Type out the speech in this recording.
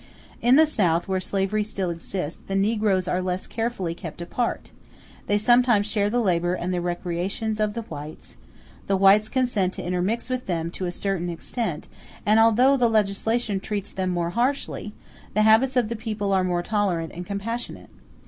In the South, where slavery still exists, the negroes are less carefully kept apart; they sometimes share the labor and the recreations of the whites; the whites consent to intermix with them to a certain extent, and although the legislation treats them more harshly, the habits of the people are more tolerant and compassionate.